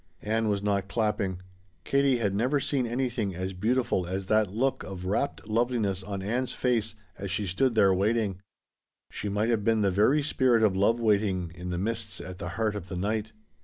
Ann was not clapping. Katie had never seen anything as beautiful as that look of rapt loveliness on Ann's face as she stood there waiting. She might have been the very spirit of love waiting in the mists at the heart of the night.